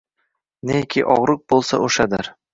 Neki ogʼriq boʼlsa, oʼshadir.